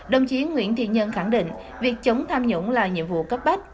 đồng chí nguyễn thiện nhân khẳng định việc chống tham nhũng là nhiệm vụ cấp bách